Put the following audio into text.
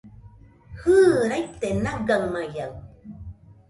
Jɨ, raite nagamaiaɨ